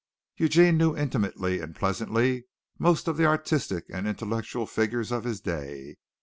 Eugene knew intimately and pleasantly most of the artistic and intellectual figures of his day.